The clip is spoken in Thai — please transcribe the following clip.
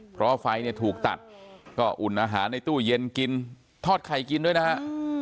เพราะไฟเนี่ยถูกตัดก็อุ่นอาหารในตู้เย็นกินทอดไข่กินด้วยนะฮะ